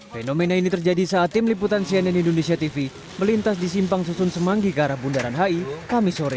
fenomena ini terjadi saat tim liputan cnn indonesia tv melintas di simpang susun semanggi ke arah bundaran hi kamisore